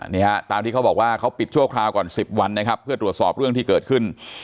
นี่ฮะตามที่เขาบอกว่าเขาปิดชั่วคราวก่อน๑๐วันนะครับเพื่อตรวจสอบเรื่องที่เกิดขึ้น